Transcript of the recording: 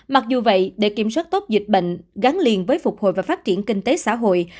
mặc dù vậy để kiểm soát tốt dịch bệnh gắn liền với phục hồi và phát triển kinh tế xã hội